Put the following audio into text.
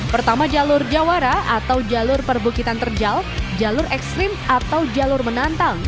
pertama jalur jawara atau jalur perbukitan terjal jalur ekstrim atau jalur menantang